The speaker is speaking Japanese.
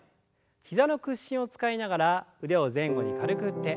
膝の屈伸を使いながら腕を前後に軽く振って。